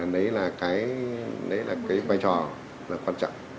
đấy là cái đấy là cái vai trò là quan trọng